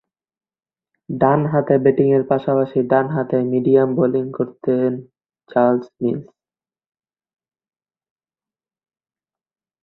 ডানহাতে ব্যাটিংয়ের পাশাপাশি ডানহাতে মিডিয়াম বোলিং করতেন চার্লস মিলস।